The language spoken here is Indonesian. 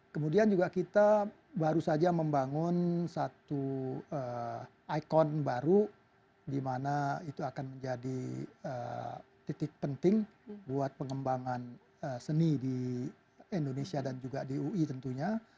kemudian juga kita baru saja membangun satu ikon baru di mana itu akan menjadi titik penting buat pengembangan seni di indonesia dan juga di ui tentunya